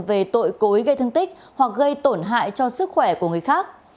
về tội cối gây thương tích hoặc gây tổn hại cho sức khỏe của người khác